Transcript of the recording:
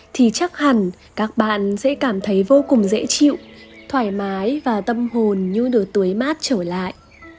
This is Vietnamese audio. thì chắc hẳn các bạn sẽ cảm thấy vô cùng dễ chịu thoải mái và tâm hồn như được tưới mát trở lại